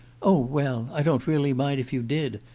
Oh, well, I don't really mind if you did.